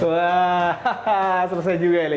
hahaha selesai juga